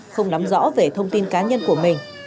không nắm rõ về thông tin cá nhân của mình